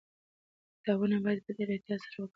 کتابونه باید په ډېر احتیاط سره وکارول سي.